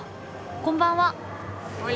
こんばんは。